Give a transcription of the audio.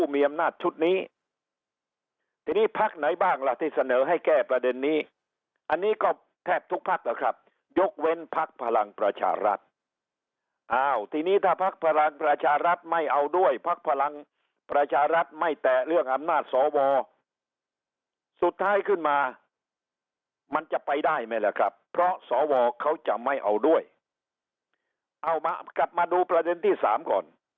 มีอำนาจชุดนี้ทีนี้พักไหนบ้างล่ะที่เสนอให้แก้ประเด็นนี้อันนี้ก็แทบทุกพักนะครับยกเว้นพักพลังประชารัฐอ้าวทีนี้ถ้าพักพลังประชารัฐไม่เอาด้วยพักพลังประชารัฐไม่แตะเรื่องอำนาจสวสุดท้ายขึ้นมามันจะไปได้ไหมล่ะครับเพราะสวเขาจะไม่เอาด้วยเอามากลับมาดูประเด็นที่สามก่อน